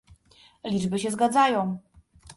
Liczby się zgadzają